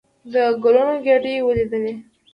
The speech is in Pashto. د ګلونو ګېدۍ ولېدلې.